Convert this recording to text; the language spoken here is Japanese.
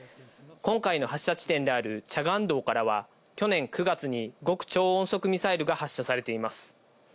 今回の発射地点であるチャガン道からは去年９月に極超音速ミサイルが発射されています。